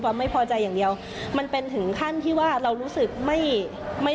ไม่พอใจอย่างเดียวมันเป็นถึงขั้นที่ว่าเรารู้สึกไม่ไม่